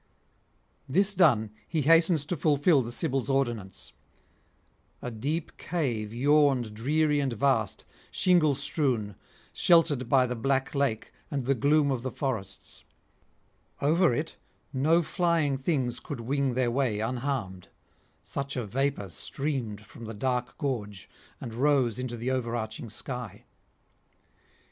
This done, he hastens to fulfil the Sibyl's ordinance. A deep cave yawned dreary and vast, shingle strewn, sheltered by the black lake and the gloom of the forests; over it no flying things could wing their way unharmed, such a vapour streamed from the dark gorge and rose into the overarching sky.